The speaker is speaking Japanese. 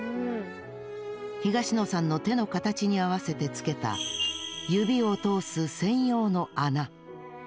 東野さんの手の形に合わせてつけた指を通す専用の穴。